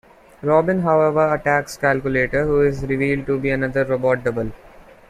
Robin however attacks Calculator who is revealed to be another robot double.